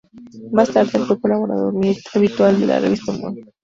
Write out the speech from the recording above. Más tarde fue colaborador habitual de la revista "Humor".